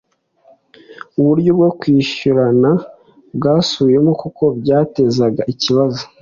uburyo bwo kwishyurana bwasubiwemo kuko byatezaga ikibazo